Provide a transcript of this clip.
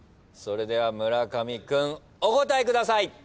それでは村上君お答えください。